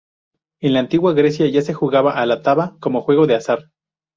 En la antigua Grecia, ya se jugaba a la taba como juego de azar.